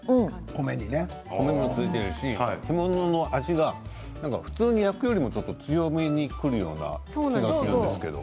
米にも付いているし干物の味が普通に焼くよりも強めにくるような気がするんですけれど。